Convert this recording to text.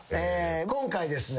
今回ですね